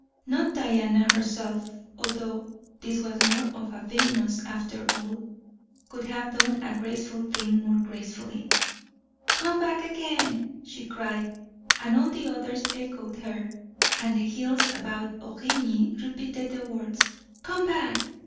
Not Diana herself, although this was more of a Venus after all, could have done a graceful thing more gracefully. 'Come back again!' she cried; and all the others echoed her; and the hills about Origny repeated the words, 'Come back.